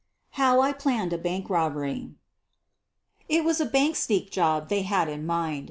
HOW I PLANNED A BANK ROBBERY It was a "bank Sneak'* job they had in mind.